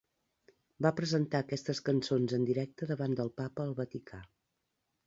Va presentar aquestes cançons en directe davant del Papa al Vaticà.